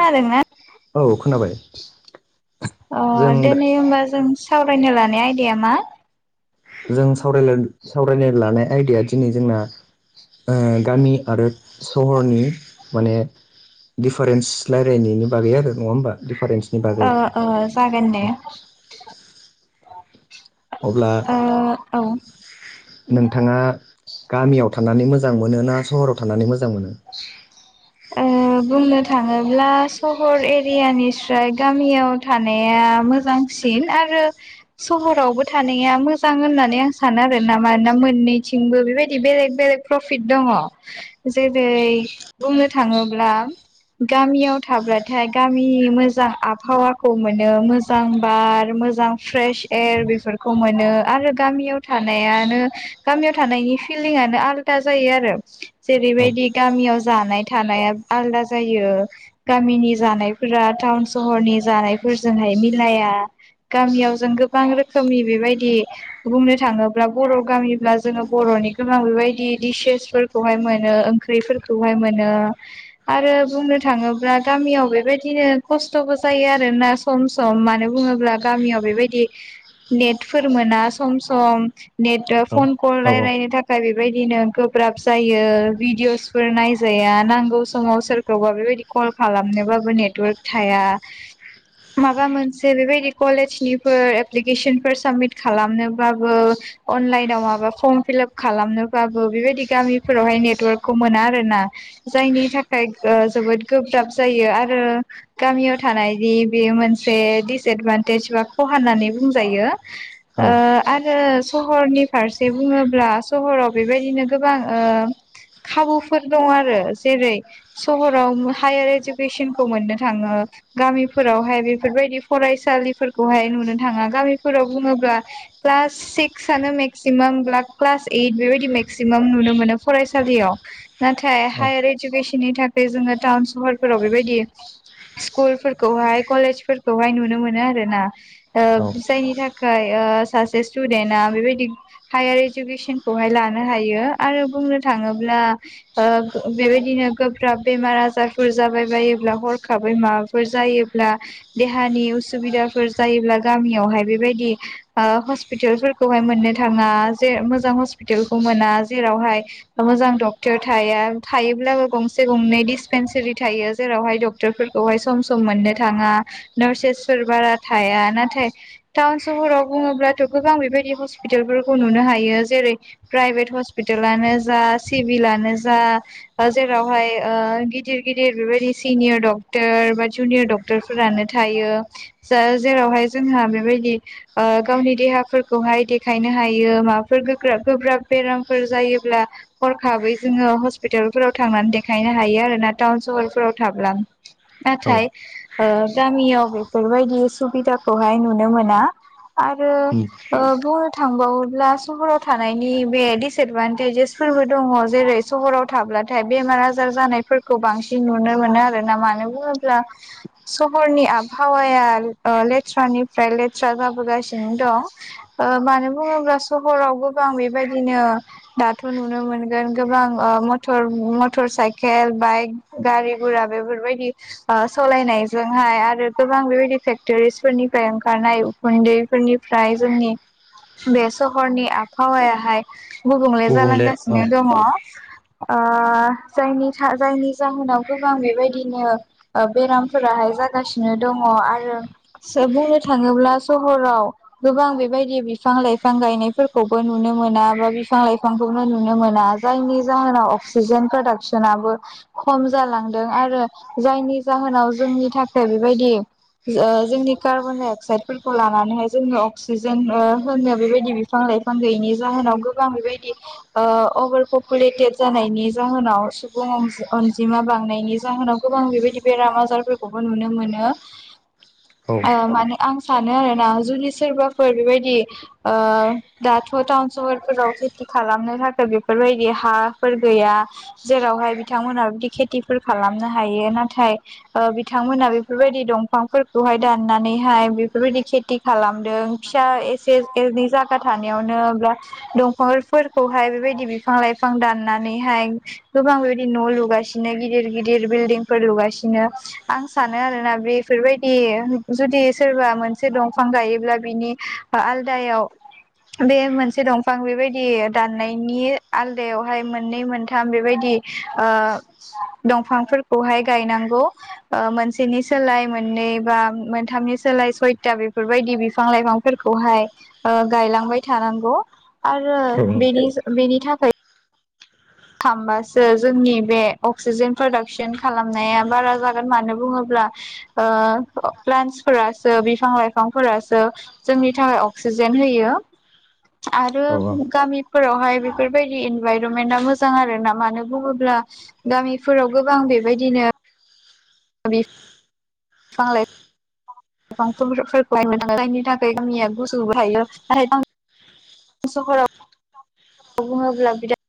खोनादोंना औ खोनाबाय जों अ दिनै होमबा जों सावरायनो लानाय आयदाया मा? जों सावलायनो सावरायनो लानाय आयदाया दिनै जोंना ओ गामि आरो सहरनि माने दिफारेन्स लायरायनायनि बागै आरो नङा होमबा दिडिफारेन्स ओ ओ जागोन दे। अब्ला ओ औ ओ नोंथाङा गामियाव थानानै मोजां मोनो ना सहराव थानानै मोजां मोनो। बुंनो थाङोब्ला सहर एरियानिस्राय गामियाव थानाया मोजांसि इन आरो सहरावबो थानाया मोजां होननानै आं सानो आरोना मानोना मोननैथिं बो बिबायदि बेलेग बेलेग प्रफिट दङ जे जेरै बुंनो थाङोब्ला गामियाव थाब्लाथाय गामिनि मोजां आबहावाखौ मोनो मोजां बार मोजां फ्रेश एयार बेफोरखौ मोनो आरो गामियाव थानायानो गामियाव थानायनि फिलिंनो आलदा जायो आरो औ जेरैबायदि याव जानाय थानाया आलादा जायो गामिनि जानायफोरा टाउन सहरनि जा नाय फोरजोंहाय मिलाया गामियाव जों गोबां रोखोमनि बेबायदि बुंनो थाङो ब्ला बर गामिब्ला जोङो बरनि गोबां बेबायदि दिसेसफोरखौहाय मोनो ओं ख्रिफोरखौहाय मोनो आरो बुंनो थाङोब्ला गामियाव बेबायदिनो खस्थ बो जायो आरोना सम सम मानो बुङोब्ला गामियाव बेबायदि नेटफोर मोना सम सम नेटा औ फन कल औ रायलायनो थाखाय बेबायदिनो गोब्राब जायो भिदिअ फोर नायजाया नांगौ समाव सोरखौबा बेबायदि कल खालामनोबाबो नेटवर्क थाया। माबा मोनसे बेबायदि कलेजनिफोर एप्लिकेसनफोर साबमिट खालामनोबाबो अनलाइनाव माबा फर्म फिलाप खालामनोबाबो बेबायदि गामिफोरावहाय नेटवर्क खौ मोना आरोना जायनि थाखाय ओ जोबोद गोब्राब जायो आरो गामियाव थानायनि बे मोनसे दिसएदभान्टेज बा खहा होननानै बुंजायो औ ओ आरो सहरनि फारसे बुङोब्ला सहराव बेबायदिनो गोबां ओ खाबुफोर दं आरो जेरै सहराव हायार इडुकेसनखौ मोननो थाङो। गामिफोरावहाय बेफोरबायदि फरायसालिफोरखौहाय नुनो थाङा गामिफोराव बुङोब्ला क्लास सिक्सानो मेक्सिमामब्ला क्लास ओइट बेबायदि मेक्सिमाम नुनो मोनो फरायसालियाव नाथाय औ हायार इडुकेसननि थाखाय जोङो टाउन सहरफोराव बेबायदि स्कुलफोरखौहाय कलेज फोरफोरखौहाय नुनो मोनो आरो ना ओ औ जायनि थाखाय ओ ओ सासे स्टुडेन्ट आ बेबायदि हायार इडुकेसनखौहाय लानो हायो आरो बुंनो थाङो अब्ला अ बेबायदिनो गोब्राब बेमार आजारफोर जाबाय बायोब्ला हरखाबै माबाफोर जा- योब्ला देहानि उसुबिदाफोर जायोब्ला गामियावहाय बेबायदि अ हस- पिटालफोरखौहाय मोननो थाङा जे मोजां हस्पपिटालखौ मोना जेरावहाय मोजां डक- टर थाया थायोब्लाबो गंसे गंनै डिसपेनसारि थायो जेरावहाय डक्टरफोरखौहाय सम-सम मोननो थाङा नार्सेसफोर बारा थाया नाथाय टाउन सहराव बुङोब्लाथ' गोबां बेबायदि हस्पिटालफोरखौ नुनो हायो जेरै- प्राइभेट हस्पिटालनो जा सि- बिलआनो जा जेरावहाय अ गिदिर-गिदिर बेबायदि सिनियर डक्टर बा जुनिर डक्टर फोरानो थायो जा-जेरावहाय जोंहा बेबायदि अ गावनि दे हाफोरखौहाय देखायनो हायो माबाफोर गोगा-गोब्राब बेरामफोर जायोब्ला हर खाबै जोङो हस्पिटालफोराव थांनानै देखायनो हायो आरो ना टाउन सहरफोराव थाब्ला ना औ थाय अ गामियाव बेफोरबायदि सुबिदाखौहाय नुनो मोना। आरो अ बुंनो थांबावोब्ला सहराव थानायनि बे दिसएदभानटेजेसफोरबो दङ जेरै- सहराव थाब्लाथाय बेमार आजार जानायफोरखौ बांसिन नुनो मोनो आरोना मानो बुङो ब्ला सहरनि आबहावाया अ लेथ्रानिफ्राय लेथ्रा जाबोगासिनो दं अ मानो बुङोब्ला सहराव गोबां बेबायदिनो दाथ' नुनो मोनो गोबां अ मटर-मटर साइकेल बाइक गारि गुरा बेफोरबायदि अ सालायनायजोंहाय आरो गोबां बेबायदि फेक्टरिसफोरनिफ्राय ओंखारनाय उखुन्दैफोरनि- फ्राय जोंनि बे सहरनि आबहावायाहाय गुबुंले जालांगासि दङो। अ जायनि सा जायनि जाहोनाव गोबां बेबायदिनो अ बेरामफोरा जासिनो दङ आरो एसे बुंनो थाङोब्ला सहराव गोबां बेबायदि बिफां लाइफां गायनायफोरखौबो नुनो मोना बा बिफां लाइफांखौनो नु नो मोना जायनि जाहोनाव अक्सिजेन प्रदाक्सनाबो खम जालांदों आरो जायनि जाहोनाव जोंनि थाखाय बेबायदि अ जोंनि कार्बन डाइ अक्साइदफोरखौ लानानैहाय जोङनो अक्सिजेन अ होनो बेबायदि बिफां लाइफां गैयैनि जाहोनाव गोबां बेबायदि अ अभार पपुलेटेड जानायनि जाहोनाव सुबुं अनजि-अनजिमा बांनायनि जाहोनाव गो बां बेबायदि बेराम आजारफोरखौबो नुनो मोनो। औ ओ माने आं सानो आरोना जुदि सोरबाफोर बेबायदि ओ दाथ' टाउन सहरफोराव खेथि खालामनो थाखाय बेफोरबायदि हाफोर गैया जेरावहाय बिथांमोनहा बिदि खेथिफोर खालामनो हायो नाथाय ओ बिथांमोना बेफोरबायदि दंफांफोरखौहाय दाननानैहाय बेफोरबायदि खेति खालामदों फिसा एसे एनै जायगा थानायावनो गाथ दंफांफोर खौहाय बेबायदि बिफां लाइफां दाननानैहाय गोबां बेबायदि न' लुगासिनो गिदिर-गिदिर बे बिल्दिं लुगासिनो आं सानो आरोना बेफोरबायदि जुदि सोरबा मोनसे दंफां गायो बिनि आ-आलदायाव बे मोनसे दफां बेबायदि दाननायनि आलदायावहाय मोननै मोनथाम बेबायदि ओ दफांफोर खौहाय गायनांगौ ओ मोनसेनि सोलाय मोननै बा मोनथाम सोलाय सयता बेफोरबायदि बिफां लाइफांफोरखौहाय ओ गायलांबाय थानांगौ आरो बेनि-बेनि थाखाय थामबासो जोंनि बे अक्सिजेन प्रडाक्सन खालामनाया बारा जागोन मानो बुङो ब्ला ओ प्लेन्सफोरासो बिफां लाइफांफोरासो जोंनि थाखाय अक्सि जेन होयो आरो औ गामिफोरावहाय बेफोरबायदि इनभाइरोमेन्टआ मो जां आरोना मानो बुङोब्ला गामिफोराव गोबां बेबायदिनो बिफां लाइ गोबांफोरखौहायनो नाङो जायनि थाखाय गामिया गुसुबो हायो न [unintelligible] सहराव बुङोब्ला बिराद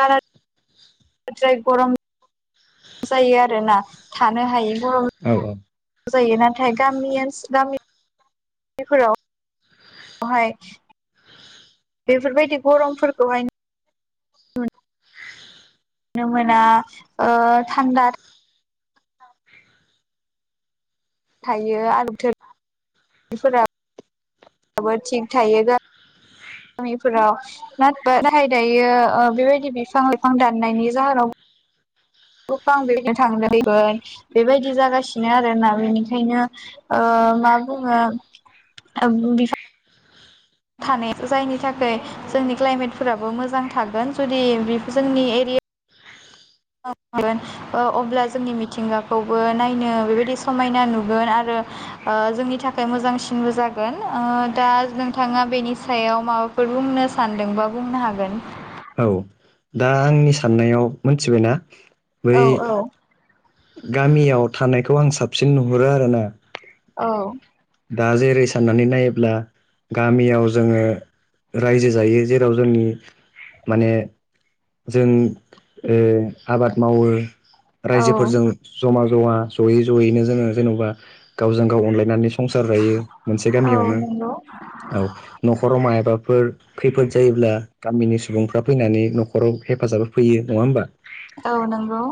बाराद्राय गरम जायो आरोना थानो हायै बर' औ औ। जायो नाथाय गामि गामि बेफोराव बेवहाय बेफोरबायदि गरमफोरखौहाय नुनो मोना ओ थान्दा थायो आरो बोथोर बोथोरफोरा बोराबो थिग थायो गो गामिफोराव। [unintelligible] दायो बेबायदि बिफां लाइफां दाननायनि जाहोनाव [unintelligible] थांदोंमोन बेबायदि जागासिनो आरोना बेनिखायनो ओ ओ मा बुङो [unintelligible] थानाय जायनि थाखाय जोंनि क्लाइमेटफोराबो मोजां थागोन जुदि बि जोंनि एरि यि [unintelligible] ओ अब्ला जोंनि मिथिंगाखौबो नायनो बेबायदि समायना नुगोन आरो ओ जोंनि थाखाय मोजांसिनबो जागोन। ओ दा नोंथाङा बेनि सायाव माबाफो फोर बुंनो सानदोंबा बुंनो हागोन। औ दा आंनि साननायाव मोनथिबायना? बै औ औ। गामियाव थानायखौ आं साबसिन नुहुरो आरोना। औ। दा जेरै साननानै नायोब्ला गामियाव जोङो रायजो जायो जेराव जोंनि माने जों ओ आबाद मावो। औ रायजोफोरजों ज'मा ज'मा ज'यै ज'यैनो जोङो जेन'बा गावजों गाव अनलाय नानै संसार जायो मोनसे औ गामियावनो। नंगौ औ, न'खराव मायाबाफोर खैफोद जायोब्ला गामिनि सुबुंफ्रा फैनानै न'खराव हेफाजाब होफैयो। नङा होमबा? औ नंगौ।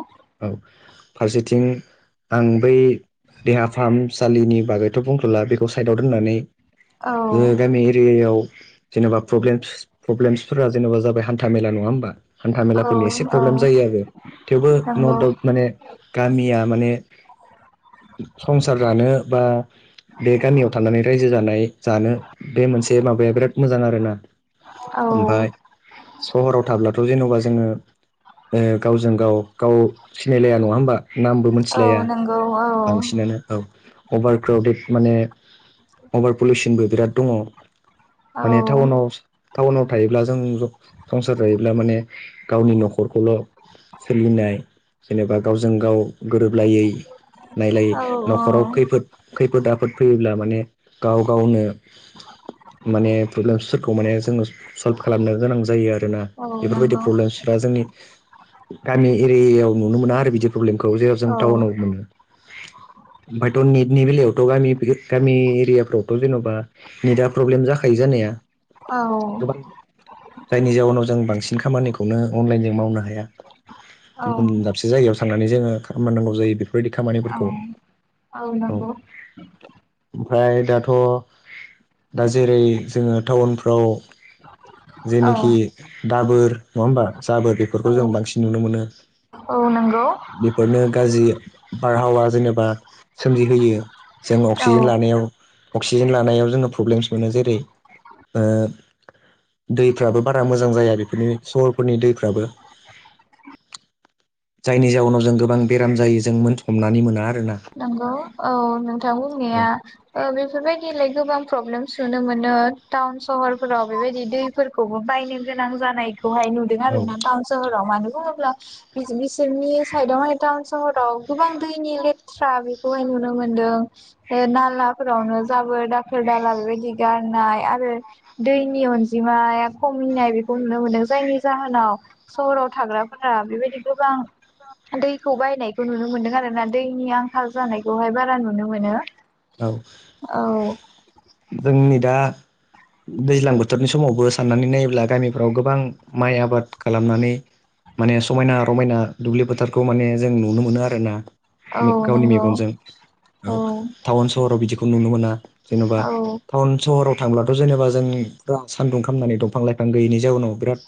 औ फारसेथिं आं बै देहा फाहाम सालिनि बागैथ' बुंथ'ला बेखौ साइदाव दोननानै औ ओ गामि एरियायाव जेनेबाे प्रब्लेमस प्रब्लेमसफोरा जेनेबा जाबाय हान्था मेला नङा होमबा? हान्था औ मेलाफोरनि एसे प्रब्लेम जायो नंगौ आरो थेवबो न दाउट माने गामिया माने संसार जानो बा बे गामियाव थानानै रायजो जानाय जानो बे मोनसे माबाया बिराद मोजां आरोना। औ। ओमफाय सहराव थाब्लाथ' जेन'बा जोङो ओ गावजों गाव गाव सिनायलाया नङा होमबा? नामबो औ मिथिलाया नंगौ औ बांसिनानो औ अभार क्राउडेड माने अभार पलुसनबो बिराद दङ' औ माने टाउनाव टाउनाव थायोब्ला जों ज संसार जायोब्ला माने गावनि न'खरखौल' सोलिनाय जेनेबा गावजों गाव गोरोबलायै नायलायै औ न'खराव खैफोद खैफोद आफोद फैयोब्ला माने गाव गावनो माने प्रब्लेमसफोरखौ माने जोङो सल्भ खालामनो गोनां जायो आरोना औ बेफोरबायदि नंगौ प्रब्लेमसफ्रा जोंनि गामि एरियाव नुनो मोना आरो बिदि प्रब्लेमखौ जेराव जों औ टाउनाव मोनो। [inaudible] ओमफायथ' नेटनि बेलायावथ' गामि बिरोद गामि एरियाफ्रावथ' जेन'बा नेटा प्रब्लेम जाखायो जा जानाया औ। गोबां जायनि जाउनाव जों बांसिन खामानिखौनो अनलाइन जों मावनो हाया औ गुबुन दाबसे जायगायावसो थांनानै जोङो खामनांगौ जायो। बेफो फोरबायदि खामानिफोरखौ, औ। फ्राय दाथ' दा जेरै जोङो टाउनफ्राव औ जेनोखि दाबोर, नङा होमबा? जाबोर बेफोरखौ जों औ बांसिन नुनो मोनो। औ नंगौ बेफोरनो गाज्रि बारहावा जेनेबा सोमजि होयो जों औ अक्सिजेन लानायाव अक्सिजेन लानायाव जोङो प्रब्लेमस मोनो। जेरै ओ दैफ्राबो बारा मोजां जाया बेफोरनि सहरफोरनि दैफ्राबो। जायनि जाउनाव जों गोबां बेराम जायो जों मोनथ हमनानै मोना आरो ना नंगौ औ नोंथां बुंनाया औ ओ बेफोर बायदिलाय गोबां प्रब्लेमस नुनो मोनो टाउन सहरफोराव बेबायदि दैफोरखौबो बायनो गोनां जानाय खौहाय नुदों औ आरो ना टाउन सोहराव मानो बुङोब्ला बिसोरनि सेरनि साइदावहाय टाउन सहराव गोबां दैनि लेथ्रा बेखौहाय नुनो मोनदो। दों ओ नालाफ्रावनो जाबोर दाखोर दाला बेबायदि गारनाय आरो दै नि अनजिमाया खमिनाय बेखौ नुनो मोनदों जायनि जाहोनाव सहराव थाग्राफोरा बेब बायदि गोबां [unintelligible] खौ नुनो मोनदों आरो ना दैनि आंखाल जानायखौहाय बारा नुनो मोनो। औ औ जोंनि दा दैज्लां बोथोरनि समावबो साननानै नायोब्ला गामिफ्राव गोबां माइ आबाद खालामनानै माने समायना रमायना दुब्लि फोथारखौ माने जों नुनो मोनो आरो ना औ गावनि नंगौ मेगनजों औ टाउन सहराव बिदिखौ नुनो मोना जेनबा औ टाउन सहराव थांब्ला थ जेनेबा जोंनि सानदुं खामनानै दंफां लाइफां गैयैनि जाउनाव बिराद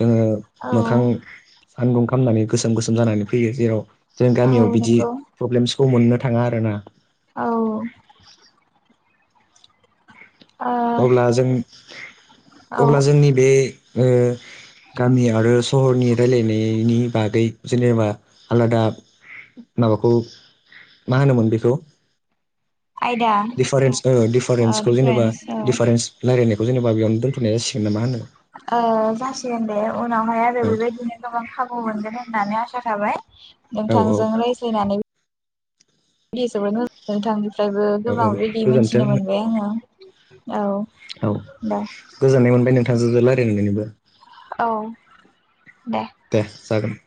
जोङो औ मोखां सानदुं खामनानै गोसोम गोसोम जानानै फैयो जेराव जों औ गामियाव बिदि नंगौ प्रब्लेमसखौ मोननो थाङा ओरो ना औ औ अब्ला जों अब्ला जोंनि बे ओ गामि आरो सहरनि रायलायनायनि बागै जेनेबा आलादा माबाखौ मा होनोमोन बेखौ आयदा दिफारेन्स ओ ओ दिफारेन्सखौ जेनेबा दिफारेन्स औ दिफारेन्स रायलायनायखौ जेनेब बेयावनो दोनथनाय जासिगोन नामा होनो? ओ जासिगोन दे। उनावहाय आरो औ बेबायदिनो गोबां खाबु मोनगोन होननानै आसा थाबाय। औ नोंथांजों रायज्लायनानै [unintelligible] नोंथांनिफ्रायबो औ औ गोबां इदि गोजोन्थों मिथिनो मोनबाय आङो। औ औ दे गोजोननाय मोनबाय नोंथां जो जों रायलायनो मोननानैबो। औ दे जागोन।